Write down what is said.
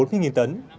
khoảng bốn mươi tấn